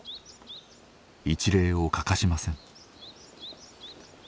一礼を欠かしません。